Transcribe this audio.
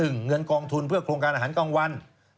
เงินกองทุนเพื่อโครงการอาหารกลางวัน